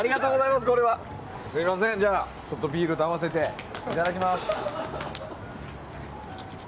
すみません、じゃあビールと合わせていただきます。